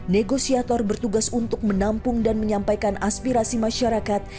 negosiator bertugas untuk menampung dan menyampaikan aspirasi masyarakat